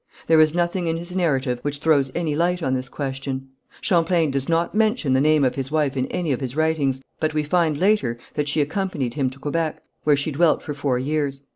There is nothing in his narrative which throws any light on this question. Champlain does not mention the name of his wife in any of his writings, but we find later that she accompanied him to Quebec, where she dwelt for four years.